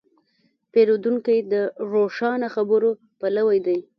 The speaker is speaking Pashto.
پیرودونکی د روښانه خبرو پلوی دی.